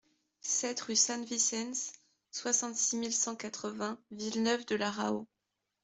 sept rue San Vicens, soixante-six mille cent quatre-vingts Villeneuve-de-la-Raho